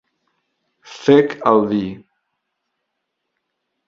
Fek' al vi